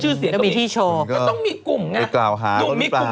ชื่อเสียงก็มีต้องมีกลุ่มไงไปกล่าวหาเขาหรือเปล่า